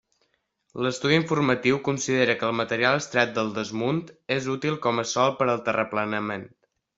L'estudi informatiu considera que el material extret del desmunt és útil com a sòl per al terraplenament.